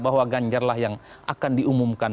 bahwa ganjar lah yang akan diumumkan